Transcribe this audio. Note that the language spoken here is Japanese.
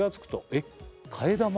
えっ「替え玉を」